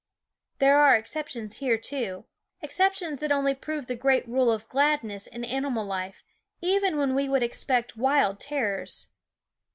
There are exceptions here too ; exceptions that only prove the great rule of gladness in animal life, even when we would expect wild terrors.